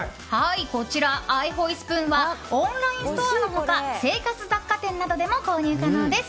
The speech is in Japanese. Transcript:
アイホイスプーンはオンラインストアの他生活雑貨店などでも購入可能です。